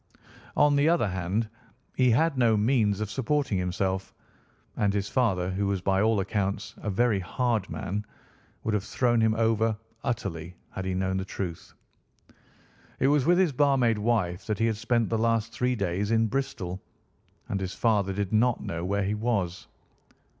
On the other hand, he had no means of supporting himself, and his father, who was by all accounts a very hard man, would have thrown him over utterly had he known the truth. It was with his barmaid wife that he had spent the last three days in Bristol, and his father did not know where he was.